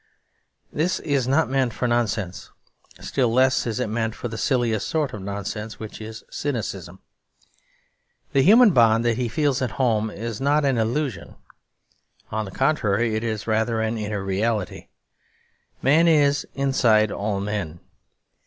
This is not meant for nonsense; still less is it meant for the silliest sort of nonsense, which is cynicism. The human bond that he feels at home is not an illusion. On the contrary, it is rather an inner reality. Man is inside all men.